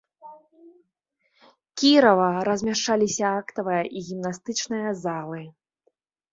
Кірава, размяшчаліся актавая і гімнастычная залы.